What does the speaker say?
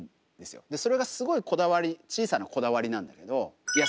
それがすごいこだわり小さなこだわりなんだけどいや